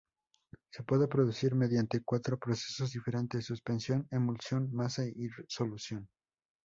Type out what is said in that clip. Se puede producir mediante cuatro procesos diferentes: suspensión, emulsión, masa y solución.